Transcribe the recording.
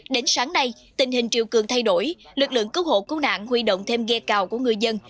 đến sáng nay tình hình triều cường thay đổi lực lượng cứu hộ cứu nạn huy động thêm ghe cào của người dân